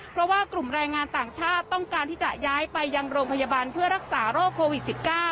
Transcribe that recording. เพราะว่ากลุ่มแรงงานต่างชาติต้องการที่จะย้ายไปยังโรงพยาบาลเพื่อรักษาโรคโควิด๑๙